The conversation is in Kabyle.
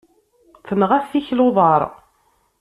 Tenɣa-t tikli uḍar.